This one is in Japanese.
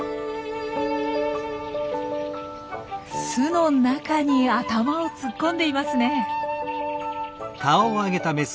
巣の中に頭を突っ込んでいますね。